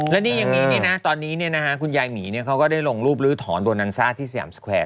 แล้วนี่ยังมีนี่นะตอนนี้เนี่ยนะฮะคุณยายหมีเนี่ยเขาก็ได้ลงรูปลื้อถอนโบนันซ่าที่สยามสควร์แล้ว